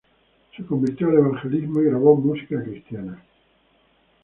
Se convirtió al evangelismo y grabó música cristiana.